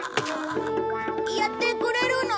やってくれるの？